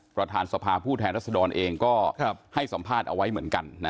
ประธานสภาผู้แทนรัศดรเองก็ให้สัมภาษณ์เอาไว้เหมือนกัน